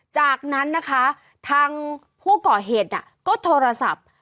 จากนั้นนะคะทางผู้ก่อเหตุก็โทรศัพท์